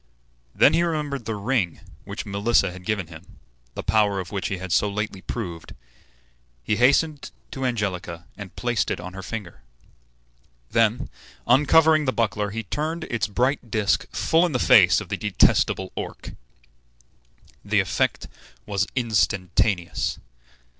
Then he remembered the ring which Melissa had given him, the power of which he had so lately proved. He hastened to Angelica and placed it on her finger. Then, uncovering the buckler, he turned its bright disk full in the face of the detestable Orc. The effect was instantaneous.